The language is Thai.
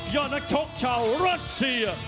อดนักชกชาวรัสเซีย